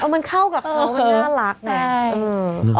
มันเข้ากับเค้ามันน่ารักเนี่ยอืม